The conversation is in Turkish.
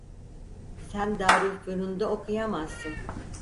Sen Darülfünun’da okuyamazsın…